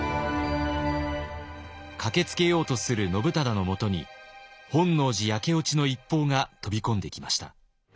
駆けつけようとする信忠のもとに本能寺焼け落ちの一報が飛び込んできました。